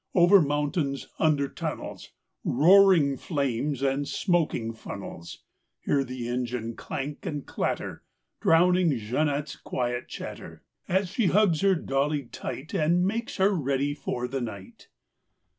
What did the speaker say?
Over mountains, under tunnels, Roaring flames and smoking funnels— Hear the engine clank and clatter! Drowning Jeanette's quiet chatter As she hugs her dolly tight And makes her ready for the night.